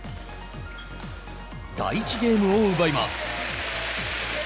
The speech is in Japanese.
第１ゲームを奪います。